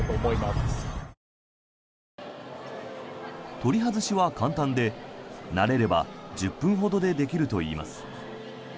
取り外しは簡単で慣れれば１０分ほどでできるといいます。